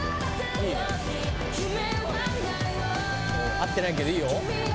合ってないけどいいよ。